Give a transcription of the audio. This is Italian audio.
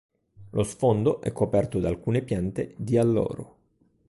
Lo sfondo è coperto da alcune piante di alloro.